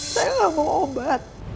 saya gak mau obat